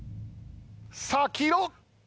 さあ黄色。